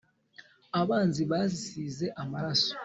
Abanzi bazisize amaraso.”